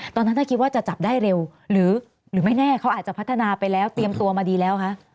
ตอนนั้นถ้าคิดว่าจะจับได้เร็วหรือไม่แน่เขาอาจจะพัฒนาไปแล้วเตรียมตัวมาดีแล้วคะ